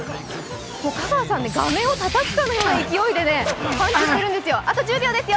香川さん、画面をたたくかのような勢いでパンチしてるんですよ。